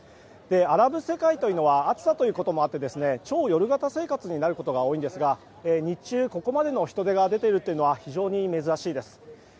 アラブ世界というのは暑さということもあって超夜型生活になることが多いんですが日中、ここまでの人出が出ているというのは非常に珍しいです。